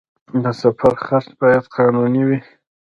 د سفر خرڅ باید قانوني وي